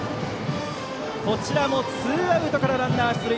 こちらもツーアウトからランナー出塁。